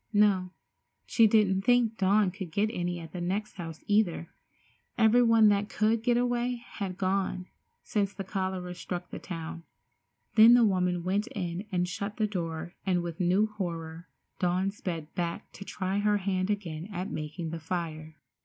No, she didn't think Dawn could get any at the next house either. Everybody that could get away had gone since the cholera struck the town. Then the woman went in and shut the door and with new horror Dawn sped back to try her hand again at making the fire.